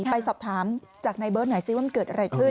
ไปสอบถามจากนายเบิร์ตหน่อยซิว่ามันเกิดอะไรขึ้น